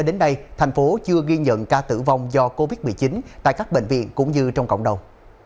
đến nay thành phố chưa ghi nhận ca tử vong do covid một mươi chín tại các bệnh viện cũng như trong cộng đồng